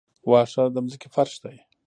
واښه د ځمکې فرش دی